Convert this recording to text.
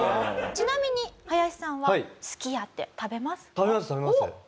ちなみに林さんはすき家って食べますか？